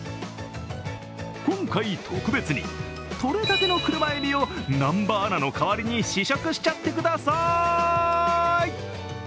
今回、特別にとれたての車えびを南波アナの代わりに試食しちゃってください。